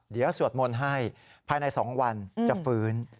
เดี๋ยวสวดมนต์ให้ภายใน๒วันจะฟื้น